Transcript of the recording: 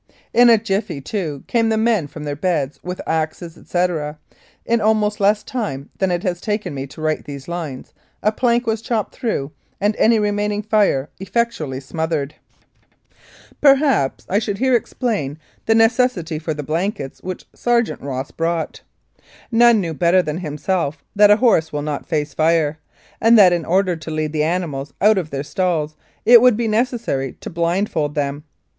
In a jiffy, too, came the men from their beds with axes, etc. ; in almost less time than it has taken me to write these lines a plank was chopped through and any remaining fire effectually smothered. Perhaps I should 49 Mounted Police Life in Canada here explain the necessity for the blankets which Ser geant Ross brought. None knew better than himself that a horse will not face fire, and that in order to lead the animals out of their stalls it would be necessary to blindfold them.